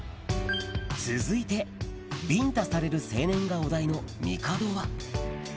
続いて、ビンタされる青年がお題のみかどは。